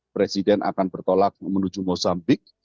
presiden akan bertolak menuju mozambik